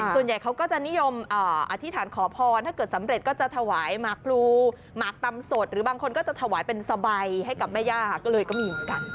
ส่วนใหญ่เขาก็จะนิยมอธิษฐานขอพรถ้าเกิดสำเร็จก็จะถวายหมากพลูหมากตำสดหรือบางคนก็จะถวายเป็นสบายให้กับแม่ย่าก็เลยก็มีเหมือนกัน